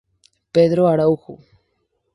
Pedro Araujo.